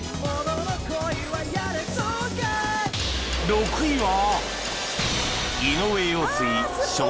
６位は